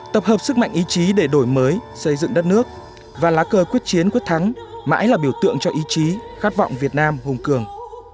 tập hợp sức mạnh ý chí để đổi mới xây dựng đất nước và lá cờ quyết chiến quyết thắng mãi là biểu tượng cho ý chí khát vọng việt nam hùng cường